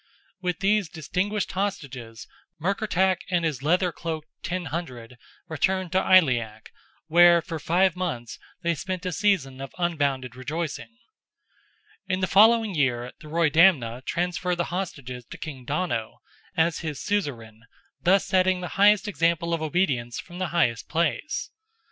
With these distinguished hostages, Murkertach and his leather cloaked "ten hundred" returned to Aileach, where, for five months, they spent a season of unbounded rejoicing. In the following year, the Roydamna transferred the hostages to King Donogh, as his suzerain, thus setting the highest example of obedience from the highest place.